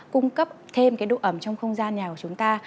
cung cấp thêm cái độ ẩm trong không gian nhà của chúng ta